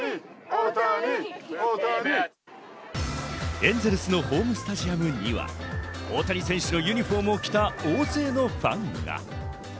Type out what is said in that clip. エンゼルスのホームスタジアムには大谷選手のユニフォームを着た大勢のファンが。